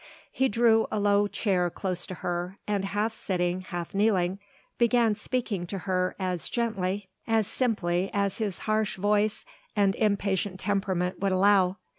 He drew a low chair close to her and half sitting, half kneeling, began speaking to her as gently, as simply as his harsh voice and impatient temperament would allow.